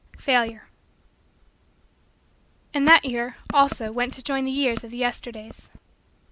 FAILURE And that year, also, went to join the years of the Yesterdays.